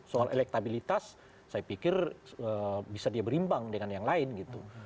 soal elektabilitas saya pikir bisa dia berimbang dengan yang lain gitu